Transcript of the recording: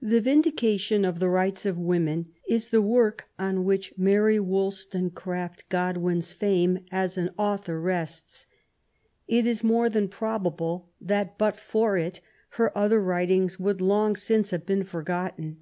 The Vindication of the Rights of Women is the work on which Mary Wollstonecraft Godwin's fame as an author rests. It is more than probable that, but for it, her other writings would long since have been forgotten.